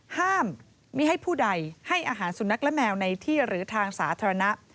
ห้ามไม่ให้ผู้ใดให้อาหารสุนัขและแมวในที่หรือทางสาธารณะ